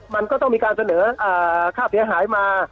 มันก็ต้องมีการเสนอค่าเสียหายมา